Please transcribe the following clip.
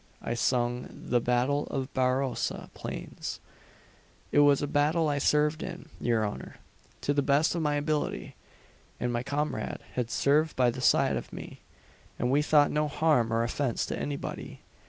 I sung the 'Battle of Barossa Plains.' It was a battle I served in, your honour, to the best of my ability, and my comrade had served by the side of me; and we thought no harm or offence to anybody.